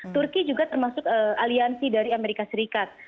turki juga termasuk aliansi dari amerika serikat